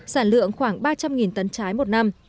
sản lượng khoảng ba trăm linh tấn trái một năm